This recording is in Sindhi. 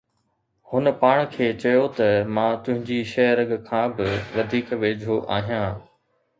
هن پاڻ کي چيو ته مان تنهنجي شہ رگ کان به وڌيڪ ويجهو آهيان